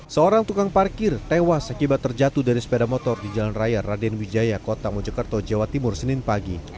seorang tukang parkir tewas akibat terjatuh dari sepeda motor di jalan raya raden wijaya kota mojokerto jawa timur senin pagi